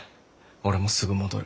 俺もすぐ戻る。